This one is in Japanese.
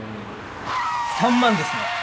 ３万ですね。